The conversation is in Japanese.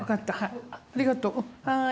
ありがとうはい。